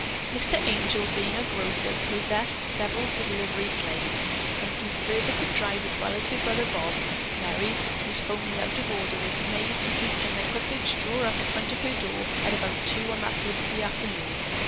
Mr. Angel, being a grocer, possessed several delivery sleighs, and since Bertha could drive as well as her brother Bob, Merry, whose 'phone was out of order, was amazed to see such an equipage draw up in front of her door at about two on that blizzardy afternoon.